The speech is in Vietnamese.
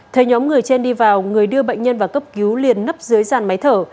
thấy nhóm người trên đi vào người đưa bệnh nhân vào cấp cứu liền nấp dưới dàn máy thở